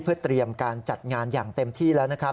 เพื่อเตรียมการจัดงานอย่างเต็มที่แล้วนะครับ